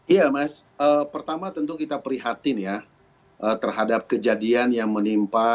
iya mas pertama tentu kita prihatin ya terhadap kejadian yang menimpa